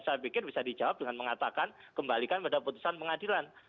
saya pikir bisa dijawab dengan mengatakan kembalikan pada putusan pengadilan